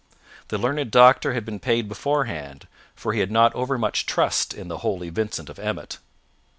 The learned doctor had been paid beforehand, for he had not overmuch trust in the holy Vincent of Emmet.